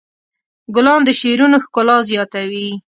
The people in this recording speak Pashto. ګلان د شعرونو ښکلا زیاتوي.